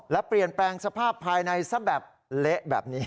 และเปลี่ยนแปลงสภาพภายในซะแบบเละแบบนี้